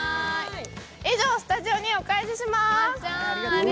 以上、スタジオにお返しします。